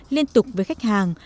liên tục với khách hàng